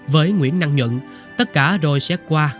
với nguyễn năng nhận tất cả rồi xét qua